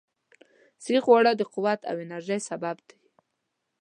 صحي خواړه د قوت او انرژۍ سبب دي.